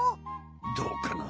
どうかな？